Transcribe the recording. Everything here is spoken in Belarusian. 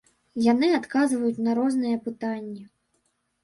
Яны адказваюць на розныя пытанні.